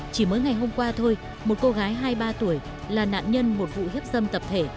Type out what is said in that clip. chỉ mới ngày hôm qua thôi một cô gái hai mươi ba tuổi là nạn nhân một vụ hiếp dâm tập thể